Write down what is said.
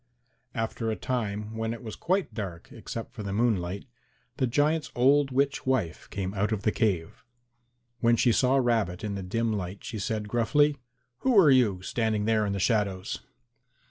After a time when it was quite dark except for the moonlight, the giant's old witch wife came out of the cave. When she saw Rabbit in the dim light she said gruffly, "Who are you, standing there in the shadows?"